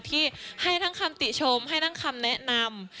ที่ให้ทั้งคำติชมให้ทั้งคำแนะนำ